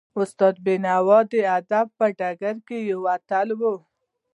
استاد بینوا د ادب په ډګر کې یو اتل و.